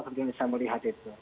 tentu yang saya melihat itu